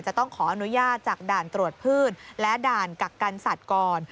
จะต้องขออนุญาตจากด่านตรวจพืชและด่านกักกันสัตว์ก่อน